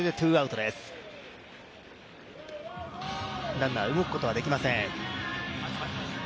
ランナー、動くことはできません。